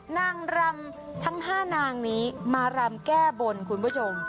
นางรำทั้ง๕นางนี้มารำแก้บนคุณผู้ชม